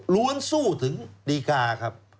ล้วนสู้ถึงดีกาครับ